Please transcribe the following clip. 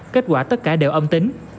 kết quả tất cả đều âm tính